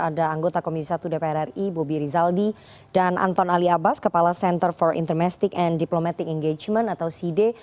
ada anggota komisi satu dpr ri bobi rizaldi dan anton ali abbas kepala center for intermestic and diplomatic engagement atau cd